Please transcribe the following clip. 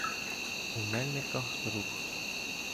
У Мельниках — рух.